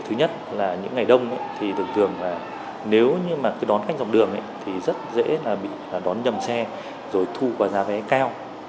thứ nhất là những ngày đông nếu như đón khách dọc đường thì rất dễ bị đón nhầm xe rồi thu vào giá vé cao